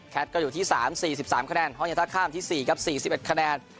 ก็อยู่ที่๓๔๓คะแนนห้องเย็นท่าข้ามที่๔ครับ๔๑คะแนน